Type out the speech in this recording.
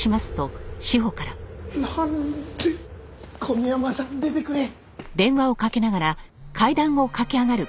小宮山さん出てくれ！